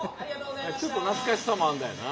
ちょっと懐かしさもあるんだよな。